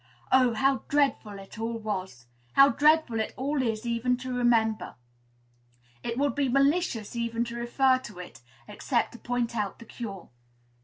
Oh! how dreadful it all was! How dreadful it all is, even to remember! It would be malicious even to refer to it, except to point out the cure.